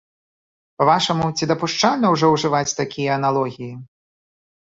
Па-вашаму, ці дапушчальна ўжо ўжываць такія аналогіі?